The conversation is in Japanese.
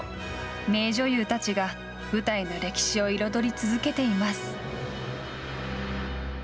名女優たちが舞台の歴史を彩り続けています。